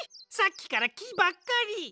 さっきからきばっかり！